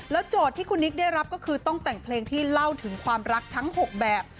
โจทย์ที่คุณนิกได้รับก็คือต้องแต่งเพลงที่เล่าถึงความรักทั้ง๖แบบ